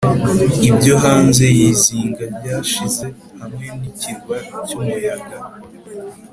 ibyo hanze yizinga ryashize hamwe nikirwa cyumuyaga